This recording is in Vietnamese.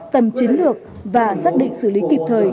tầm chiến lược và xác định xử lý kịp thời